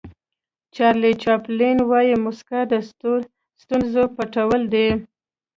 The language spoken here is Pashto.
چارلي چاپلین وایي موسکا د ستونزو پټول دي.